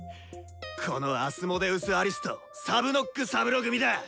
このアスモデウス・アリスとサブノック・サブロ組だ！